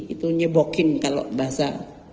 itu nyebokin kalau bahasa